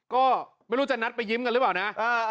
ก็ไม่รู้จะนัดไปยิ้มกันหรือเปล่านะ